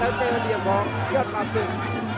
และเตลเตยัดห่องยอดพับสึก